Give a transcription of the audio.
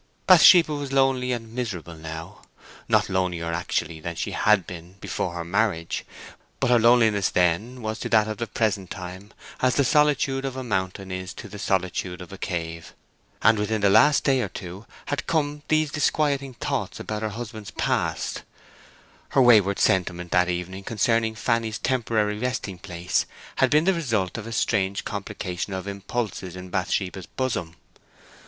Bathsheba was lonely and miserable now; not lonelier actually than she had been before her marriage; but her loneliness then was to that of the present time as the solitude of a mountain is to the solitude of a cave. And within the last day or two had come these disquieting thoughts about her husband's past. Her wayward sentiment that evening concerning Fanny's temporary resting place had been the result of a strange complication of impulses in Bathsheba's bosom.